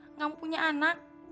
enggak mau punya anak